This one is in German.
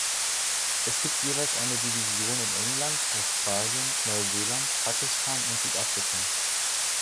Es gibt jeweils eine Division in England, Australien, Neuseeland, Pakistan und Südafrika.